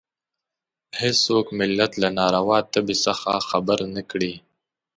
هېڅوک ملت له ناروا تبې څخه خبر نه کړي.